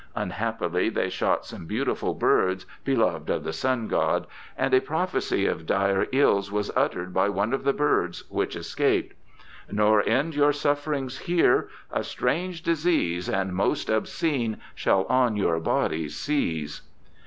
Unhappily they shot some beautiful birds, beloved of the Sun God, and a prophecy of dire ills was uttered by one of the birds which escaped : Nor end your sufferings here ; a strange disease, And most obscene, shall on your bodies seize.